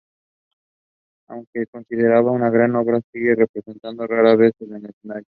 Aunque es considerada una gran obra sigue representándose rara vez en el escenario.